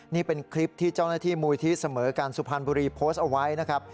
นี่เป็นคลิปที่เจ้าหน้าที่มูลที่เสมอการสุพรรณบุรีโพสต์เอาไว้นะครับ